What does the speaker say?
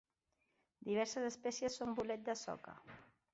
Diverses espècies són bolet de soca.